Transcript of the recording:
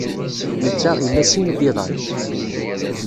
Netta ila sin n yiḍan.